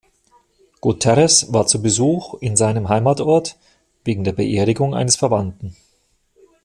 Guterres war zu Besuch in seinem Heimatort, wegen der Beerdigung eines Verwandten.